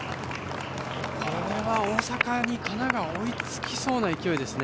これは大阪に神奈川県が追いつきそうな勢いですね。